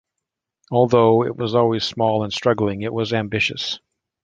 Although it was always small and struggling, it was ambitious.